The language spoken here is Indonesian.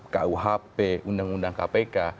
kuhp undang undang kpk